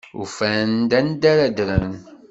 Ufan-d anda ara ddren.